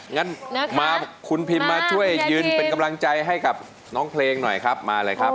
งั้นมาคุณพิมมาช่วยยืนเป็นกำลังใจให้กับน้องเพลงหน่อยครับมาเลยครับ